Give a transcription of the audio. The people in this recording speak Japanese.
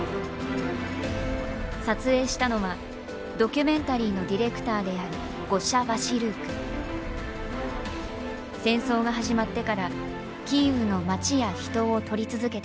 撮影したのはドキュメンタリーの戦争が始まってからキーウの街や人を撮り続けてきた。